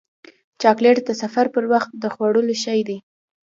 چاکلېټ د سفر پر وخت د خوړلو شی دی.